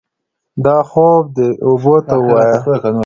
دا خوب دې اوبو ته ووايي.